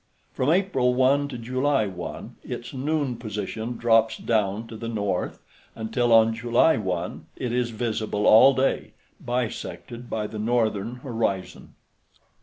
From April 1 to July 1, its noon position drops down to the north, until on July 1, it is visible all day, bisected by the northern horizon.